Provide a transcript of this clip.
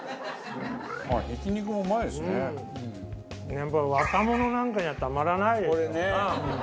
やっぱり若者なんかにはたまらないでしょうな。